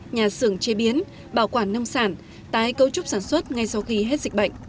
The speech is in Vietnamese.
nhà xưởng chế biến bảo quản nông sản tái cấu trúc sản xuất ngay sau khi hết dịch bệnh